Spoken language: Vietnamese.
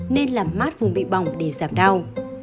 nên làm mát vùng bị bỏng để giảm đau